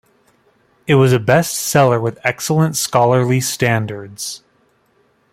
It was a best seller with excellent scholarly standards.